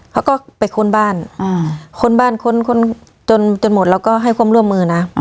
เขาก็ไปค้นบ้านค้นบ้านค้นค้นจนหมดเราก็ให้ความร่วมมือนะ